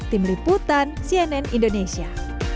tim liputan cnn indonesia